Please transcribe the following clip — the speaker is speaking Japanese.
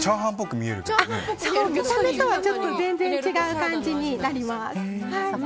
見た目とは全然違う感じになります。